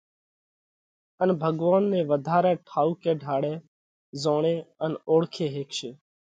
ان ڀڳوونَ نئہ وڌارئہ ٺائُوڪئہ ڍاۯئہ زوڻي ان اوۯکي هيڪشي۔